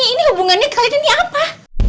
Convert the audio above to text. ini hubungannya ke kalian ini apa